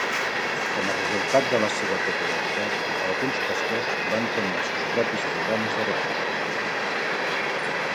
Com a resultat de la seva popularitat, alguns pastors van tenir els seus propis programes de ràdio.